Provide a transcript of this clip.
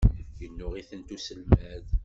Yennuɣ-itent uselmad.